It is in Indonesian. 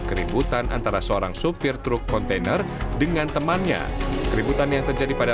keributan antara seorang sopir truk kontainer dengan temannya keributan yang terjadi pada